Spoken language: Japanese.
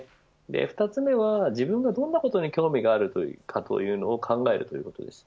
２つ目は自分がどんなことに興味があるのかということを考えることです。